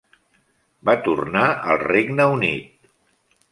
Va tornar al Regne Unit.